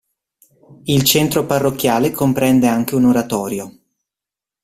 Il centro parrocchiale comprende anche un oratorio.